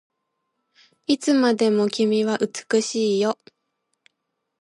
いつまでも君は美しいよ